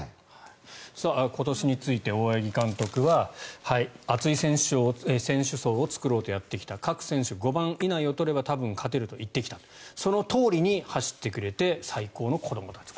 今年について大八木監督は厚い選手層を作ろうとやってきた各選手５番以内を取れば多分勝てると言ってきたそのとおりに走ってくれて最高の子どもたちです。